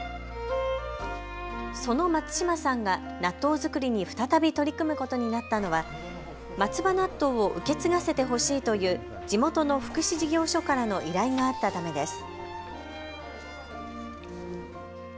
その松嶋さんが納豆作りに再び取り組むことになったのは松葉納豆を受け継がせてほしいという地元の福祉事業所からの依頼があったためです。